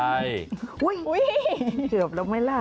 อะเตี๋ยวเราไม่ล่ะ